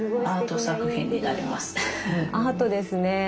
アートですね。